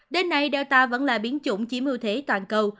đến nay data vẫn là biến chủng chiếm ưu thế toàn cầu